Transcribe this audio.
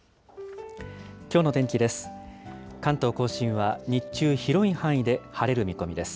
きょうの天気です。